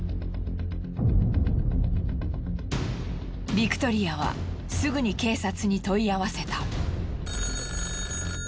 ビクトリアはすぐに警察に問い合わせた。